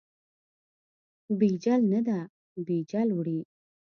بیجل نه ده، بیجل وړي.